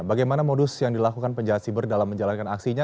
bagaimana modus yang dilakukan penjahat siber dalam menjalankan aksinya